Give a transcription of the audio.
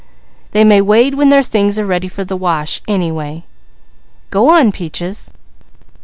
They may wade when their things are ready for the wash anyway. Go on Peaches!"